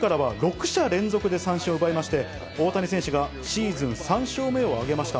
が３者連続、そして６回からは６者連続で三振を奪いまして、大谷選手がシーズン３勝目を挙げました。